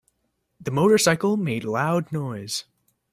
The motorcycle made loud noise.